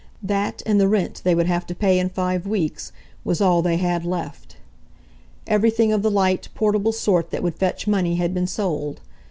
that and the rent they would have to pay in five weeks, was all they had left. Everything of the light, portable sort that would fetch money had been sold.